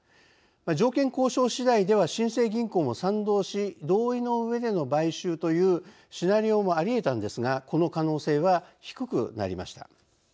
条件交渉しだいでは新生銀行も賛同し同意の上での買収というシナリオもありえたんですがこの可能性は低くなりました。